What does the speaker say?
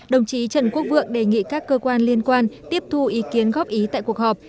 đồng chí trần quốc vượng đề nghị các cơ quan liên quan tiếp thu ý kiến góp ý tại cuộc họp